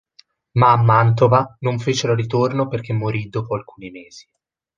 Ma a Mantova non fece ritorno perché morì dopo alcuni mesi.